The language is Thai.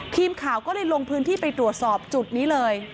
ทีมข่าวก็เลยลงพื้นที่ไปตรวจสอบจุดนี้เลย